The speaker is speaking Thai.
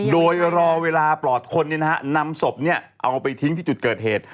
โดยรอเวลาปลอดคนนำศพเอาไปทิ้งที่จุดเกิดเหตุ